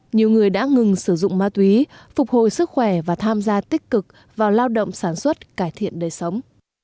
nhiều người đã ngừng sử dụng ma túy phục hồi sức khỏe và tham gia tích cực vào lao động sản xuất cải thiện đời sống